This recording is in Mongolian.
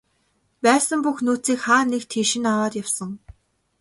Байсан бүх нөөцийг хаа нэг тийш нь аваад явсан.